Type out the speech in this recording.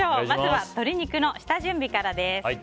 まずは鶏肉の下準備からです。